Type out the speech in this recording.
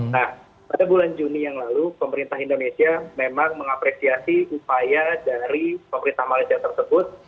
nah pada bulan juni yang lalu pemerintah indonesia memang mengapresiasi upaya dari pemerintah malaysia tersebut